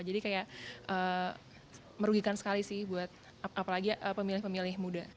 jadi kayak merugikan sekali sih buat apalagi pemilih pemilih muda